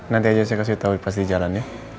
nanti aja saya kasih tau pas di jalannya